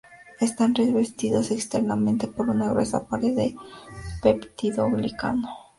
Están revestidas externamente por una gruesa pared de peptidoglicano.